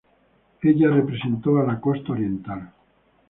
Ella representó a la Costa Oriental.